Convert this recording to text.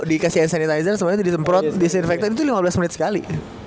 dikasih hand sanitizer sebenarnya disemprot disinfektan itu lima belas menit sekali